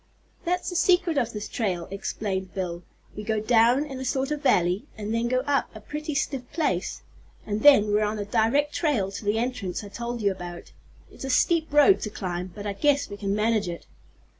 "That's the secret of this trail," explained Bill. "We go down in a sort of valley, and then go up a pretty stiff place, and then we're on a direct trail to the entrance I told you about. It's a steep road to climb, but I guess we can manage it."